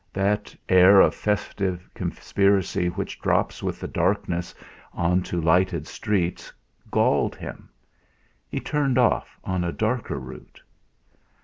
That air of festive conspiracy which drops with the darkness on to lighted streets, galled him. He turned off on a darker route.